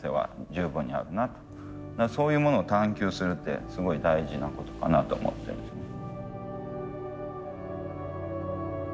そういうものを探究するってすごい大事なことかなと思ってるんですね。